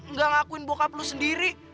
enggak ngakuin bokap lu sendiri